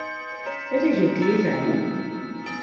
It is hjoed tiisdei.